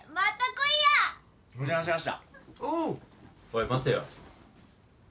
おい待てよ。